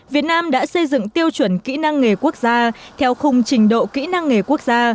việt nam đã xây dựng tiêu chuẩn kỹ năng nghề quốc gia theo khung trình độ kỹ năng nghề quốc gia